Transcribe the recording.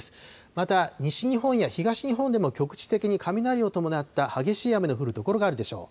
また、西日本や東日本でも局地的に雷を伴った激しい雨の降る所があるでしょう。